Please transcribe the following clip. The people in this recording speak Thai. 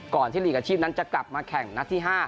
กลับมาแข่งนักที่๕